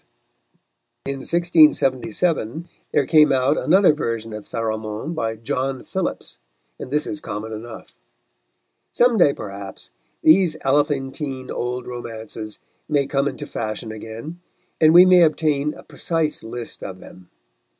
In 1677 there came out another version of Pharamond, by John Phillips, and this is common enough. Some day, perhaps, these elephantine old romances may come into fashion again, and we may obtain a precise list of them.